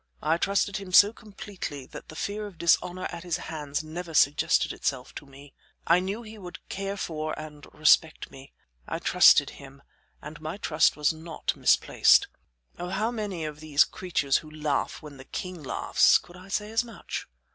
I trusted him so completely that the fear of dishonor at his hands never suggested itself to me. I knew he would care for and respect me. I trusted him, and my trust was not misplaced. Of how many of these creatures who laugh when the king laughs could I say as much?"